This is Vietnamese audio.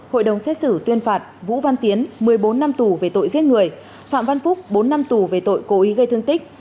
hội đồng xét xử tuyên phạt vũ văn tiến một mươi bốn năm tù về tội giết người phạm văn phúc bốn năm tù về tội cố ý gây thương tích